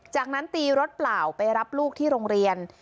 จากนั้นตีรถเปล่าไปรับลูกที่โรงเรียน